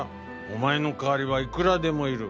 お前の代わりはいくらでもいる。